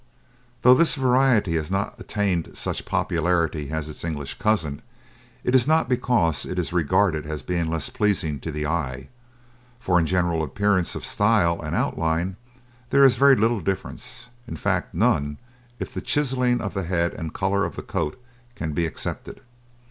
Though this variety has not attained such popularity as its English cousin, it is not because it is regarded as being less pleasing to the eye, for in general appearance of style and outline there is very little difference; in fact, none, if the chiselling of the head and colour of the coat be excepted.